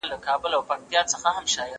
زه اوس کالي وچوم!.